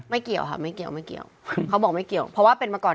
เกี่ยวค่ะไม่เกี่ยวไม่เกี่ยวเขาบอกไม่เกี่ยวเพราะว่าเป็นมาก่อน